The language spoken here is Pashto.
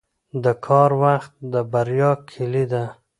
• د کار وخت د بریا کلي ده.